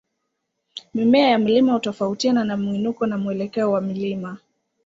Mimea ya mlima hutofautiana na mwinuko na mwelekeo wa mlima.